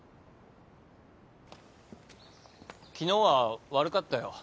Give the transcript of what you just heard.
昨日は悪かったよ。